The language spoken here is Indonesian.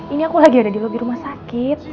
ini aku lagi ada di lobi rumah sakit